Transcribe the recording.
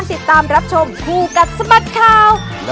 มีชัก๒๐๐มั้ย